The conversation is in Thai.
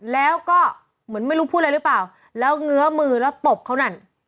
แล้วก็เหมือนไม่รู้พูดอะไรหรือเปล่าแล้วเงื้อมือแล้วตบเขานั่น